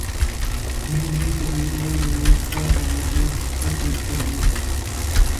جی جی Hadid نے امید سے ہونے کی تصدیق کردی